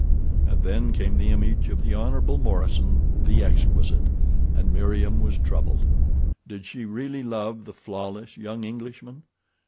And then came the image of the Hon. Morison, the exquisite, and Meriem was troubled. Did she really love the flawless young Englishman?